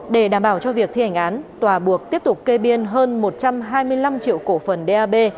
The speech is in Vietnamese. để đảm bảo cho việc thi hành án tòa buộc tiếp tục kê biên hơn một trăm hai mươi năm triệu cổ phần dap